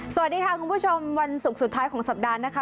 สวัสดีค่ะคุณผู้ชมวันศุกร์สุดท้ายของสัปดาห์นะคะ